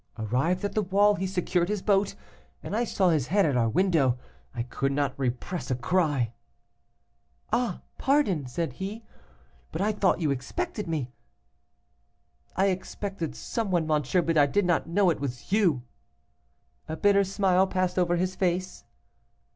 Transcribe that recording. Arrived at the wall, he secured his boat, and I saw his head at our window. I could not repress a cry. "'Ah, pardon,' said he, 'but I thought you expected me.' 'I expected some one, monsieur, but I did not know it was you.' A bitter smile passed over his face.